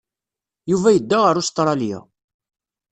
Yuba yedda ar Ustṛalya.